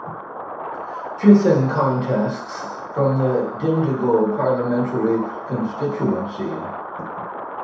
Chithan contests from the Dindigul Parliamentary constituency.